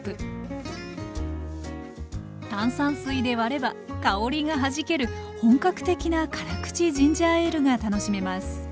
炭酸水で割れば香りがはじける本格的な辛口ジンジャーエールが楽しめます